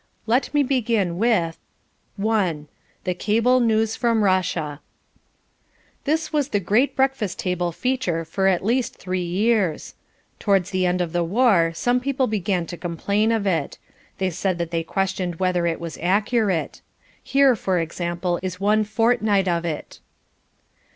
Let me begin with: I THE CABLE NEWS FROM RUSSIA This was the great breakfast table feature for at least three years. Towards the end of the war some people began to complain of it. They said that they questioned whether it was accurate. Here for example is one fortnight of it.